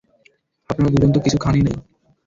আপনারা দুজন তো কিছু খানই নাই।